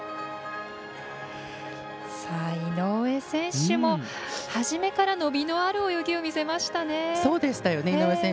井上選手も、はじめから伸びのある泳ぎを見せましたよね。